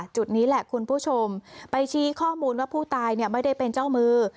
จุดนี้แหละคุณผู้ชมไปชี้ข้อมูลว่าผู้ตายไม่ได้เป็นเจ้ามือ